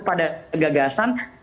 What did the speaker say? pada kegagasan dan tantangannya